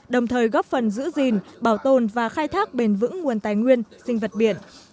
đồng thời góp phần giữ gìn bảo tồn và khai thác bền vững nguồn tài nguyên sinh vật biển